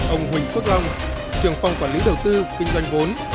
ông huỳnh quốc long trường phòng quản lý đầu tư kinh doanh vốn